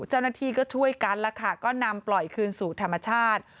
เจ้าหน้าที่ก็ช่วยกันแล้วค่ะก็นำปล่อยคืนสู่ธรรมชาติ